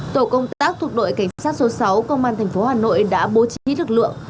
tổ công tác thuộc đội cảnh sát số sáu công an thành phố hà nội đã bố trí thức lượng